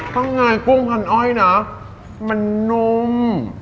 ข้างในกุ้งพันอ้อยนะมันนม